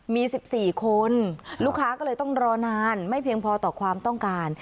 มี๑๔คนลูกค้าก็เลยต้องรอนานไม่เพียงพอต่อความต้องการ